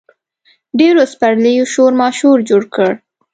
ډېرو سپرلیو شورماشور جوړ کړ.